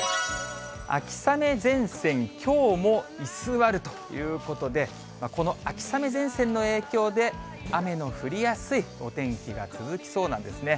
秋雨前線、きょうも居座るということで、この秋雨前線の影響で、雨の降りやすいお天気が続きそうなんですね。